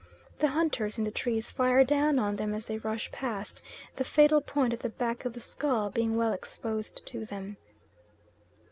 The hunters in the trees fire down on them as they rush past, the fatal point at the back of the skull being well exposed to them.